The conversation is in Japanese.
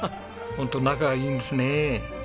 ホント仲がいいんですね。